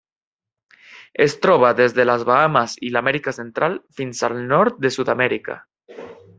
Es troba des de les Bahames i l'Amèrica Central fins al nord de Sud-amèrica.